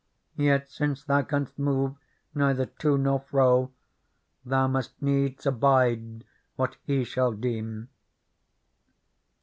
Yet, since thou canst move neither to nor fro. Thou must needs abide what He shall deem. ^ Make me weep.